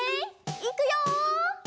いくよ！